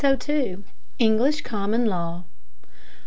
ENGLISH COMMON LAW.